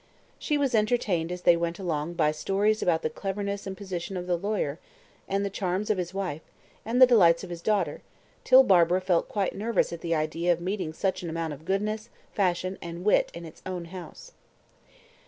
She was entertained as they went along, by stories about the cleverness and position of the lawyer, and the charms of his wife, and the delights of his daughter, till Barbara felt quite nervous at the idea of meeting such an amount of goodness, fashion, and wit in its own house.